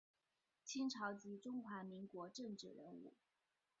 清朝及中华民国政治人物。